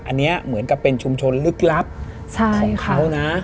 อันนี้เหมือนกับเป็นชุมชนลึกลับของเขานะ